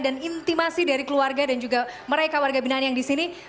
dan intimasi dari keluarga dan juga mereka warga binani yang di sini